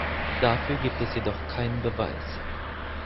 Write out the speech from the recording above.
Dafür gibt es jedoch keinen Beweis.